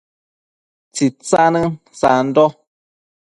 Tsitsanën sando